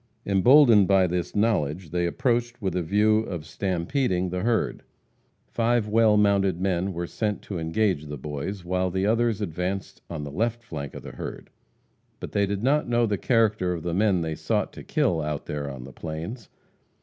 Emboldened by this knowledge, they approached with a view of "stampeding" the herd. Five well mounted men were sent to engage the Boys while the others advanced on the left flank of the herd. But they did not know the character of the men they sought to kill out there on the plains.